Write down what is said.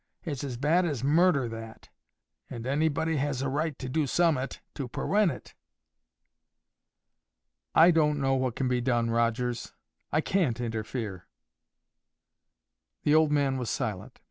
It's as bad as murder that, and anybody has a right to do summat to perwent it." "I don't know what can be done, Rogers. I CAN'T interfere." The old man was silent.